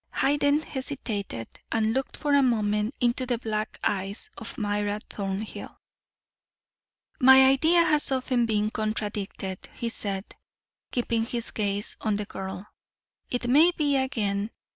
Hayden hesitated, and looked for a moment into the black eyes of Myra Thornhill. "My idea has often been contradicted," he said, keeping his gaze on the girl, "it may be again.